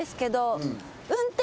運転？